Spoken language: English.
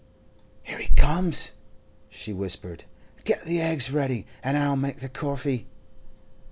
'Here he comes,' she whispered. 'Get the eggs ready, an' I'll make the coffee.